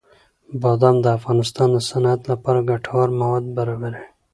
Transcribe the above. بادام د افغانستان د صنعت لپاره ګټور مواد برابروي.